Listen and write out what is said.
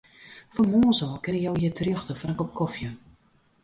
Fan moarns ôf kinne jo hjir terjochte foar in kop kofje.